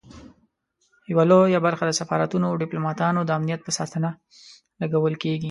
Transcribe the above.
یوه لویه برخه د سفارتونو او ډیپلوماټانو د امنیت په ساتنه لګول کیږي.